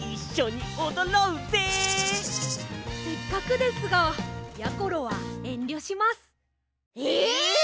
せっかくですがやころはえんりょします。え！